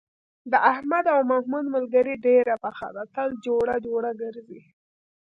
د احمد او محمود ملگري ډېره پخه ده، تل جوړه جوړه گرځي.